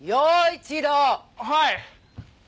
はい！